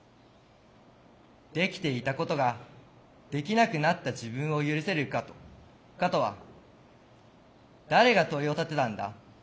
「できていたことができなくなった自分を許せるか」とは誰が問いを立てたんだ。